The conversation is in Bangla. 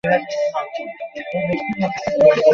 এই প্রশিক্ষণ আর্মি, নৌবাহিনী এবং বিমানবাহিনীর থাকে।